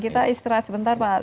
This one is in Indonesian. kita istirahat sebentar pak